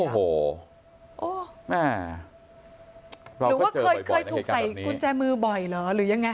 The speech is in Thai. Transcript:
ใครถูกใส่กุญแจมือบ่อยเหรอ